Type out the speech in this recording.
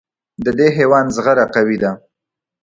د دې حیوان زغره قوي ده.